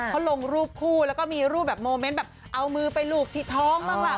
เขาลงรูปคู่แล้วก็มีรูปแบบโมเมนต์แบบเอามือไปรูปที่ท้องบ้างล่ะ